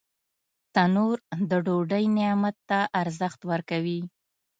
تنور د ډوډۍ نعمت ته ارزښت ورکوي